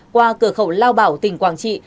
qua cửa khẩu lao bảo tỉnh quảng trị